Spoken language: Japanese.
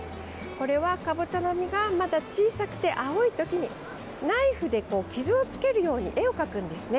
これはカボチャの実がまだ小さくて青い時にナイフで傷をつけるように絵を描くんですね。